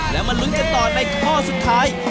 แล้วมาลุ้นจะต่อได้ข้อสุดท้าย